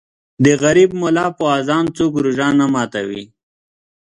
د غریب ملا په اذان څوک روژه نه ماتوي.